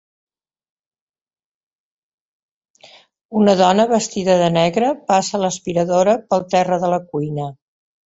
Una dona vestida de negre passa l'aspiradora pel terra de la cuina.